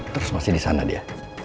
terus masih di sana dia